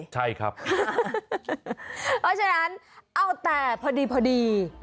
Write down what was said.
ใช่ครับเพราะฉะนั้นเอาแต่พอดี